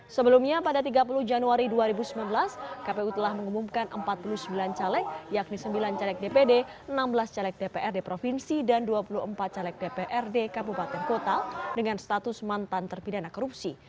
sebelumnya pada tiga puluh januari dua ribu sembilan belas kpu telah mengumumkan empat puluh sembilan caleg yakni sembilan caleg dpd enam belas caleg dprd provinsi dan dua puluh empat caleg dprd kabupaten kota dengan status mantan terpidana korupsi